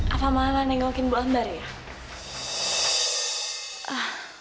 apa malah nengokin bu ambar ya